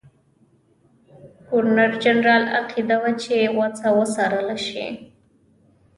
ګورنرجنرال عقیده وه چې وضع وڅارله شي.